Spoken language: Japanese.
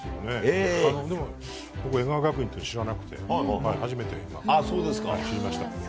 僕、江川学院って知らなくて初めて知りました。